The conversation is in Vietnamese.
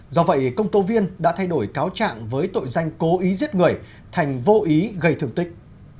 do vậy công tố viên đã thay đổi cáo trạng với tội danh cố ý giết người thành vô ý gây thương tích